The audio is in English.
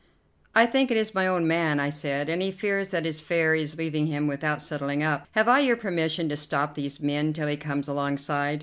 "I think it is my own man," I said; "and he fears that his fare is leaving him without settling up. Have I your permission to stop these men till he comes alongside?